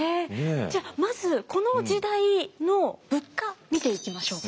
じゃあまずこの時代の物価見ていきましょうか。